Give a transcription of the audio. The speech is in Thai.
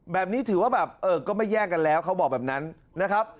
แบบนี้ถือว่าแบบเออก็ไม่แย่งกันแล้วเขาบอกแบบนั้นนะครับ